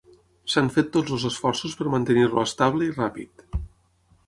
S'han fet tots els esforços per mantenir-lo estable i ràpid.